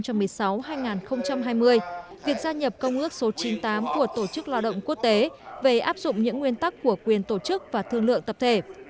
việc gia nhập công ước số chín mươi tám của tổ chức lo động quốc tế về áp dụng những nguyên tắc của quyền tổ chức và thương lượng tập thể